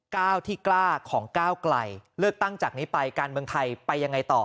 ก้าวที่กล้าของก้าวไกลเลือกตั้งจากนี้ไปการเมืองไทยไปยังไงต่อ